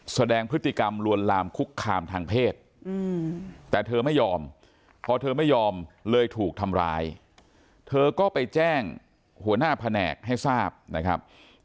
แสดงพฤติกรรมลวนลามคุกคามทางเพศแต่เธอไม่ยอมพอเธอไม่ยอมเลยถูกทำร้ายเธอก็ไปแจ้งหัวหน้าแผนกให้ทราบนะครับ